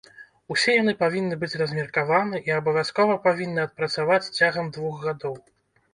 Усе яны павінны быць размеркаваны і абавязкова павінны адпрацаваць цягам двух гадоў.